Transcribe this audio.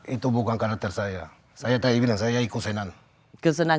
itu bukan karakter saya saya ikut senang